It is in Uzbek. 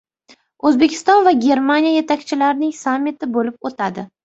O‘zbekiston va Germaniya yetakchilarining sammiti bo‘lib o‘tadi